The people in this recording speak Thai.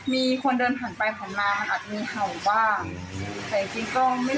มีคนเดินผ่านไปของหมา